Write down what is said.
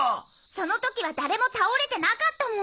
その時は誰も倒れてなかったもん！